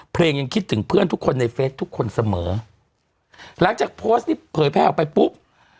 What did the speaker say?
เพลงยังคิดถึงเพื่อนทุกคนในเฟสทุกคนเสมอหลังจากโพสต์นี้เผยแพร่ออกไปปุ๊บ